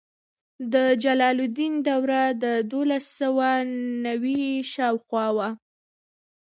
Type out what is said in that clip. د جلال الدین دوره د دولس سوه نوي شاوخوا وه.